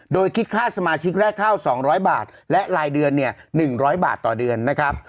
โดยคิดค่าสมาชิกแรกเท่า๒๐๐บาทและรายเดือนเนี่ย๑๐๐บาทต่อเดือนนะครับ